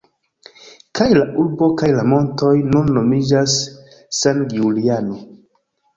Kaj la urbo kaj la montoj nun nomiĝas San Giuliano.